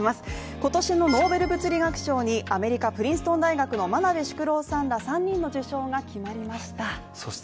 今年のノーベル物理学賞にアメリカ・プリンストン大学の真鍋淑郎さんら３人の受賞が決まりました